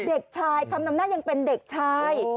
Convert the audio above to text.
เด็กชายคำนำหน้ายังเป็นเด็กชาย